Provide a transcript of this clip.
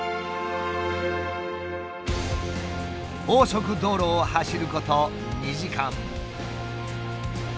高速道路を走ること２時間。